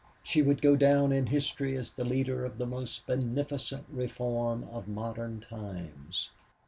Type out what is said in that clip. She would go down in history as the leader in the most beneficent reform of modern times.